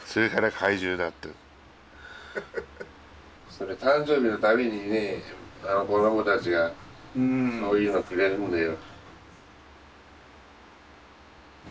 それ誕生日の度にね子供たちがそういうのくれるんだよ。